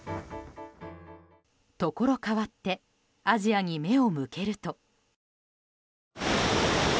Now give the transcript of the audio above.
ところかわってアジアに目を向けると。